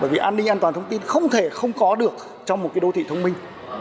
bởi vì an ninh an toàn thông tin không thể không có được trong một đô thị thông minh